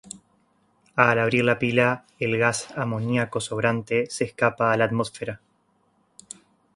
Al abrir la pila el gas amoniaco sobrante se escapa a la atmósfera.